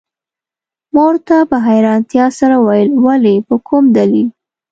ما ورته په حیرانتیا سره وویل: ولي، په کوم دلیل؟